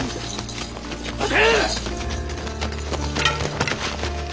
待て！